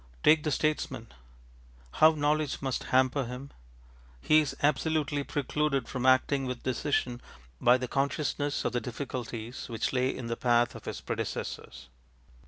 Take the statesman. How knowledge must hamper him! He is absolutely precluded from acting with decision by the consciousness of the difficulties which lay in the path of his predecessors.